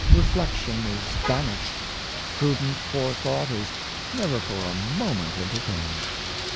reflection is banished, prudent forethought is never for a moment entertained.